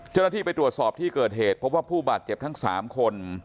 เจ้าหน้าที่ไปตรวจสอบที่เกิดเหตุพบว่าผู้บาดเจ็บทั้ง๓คน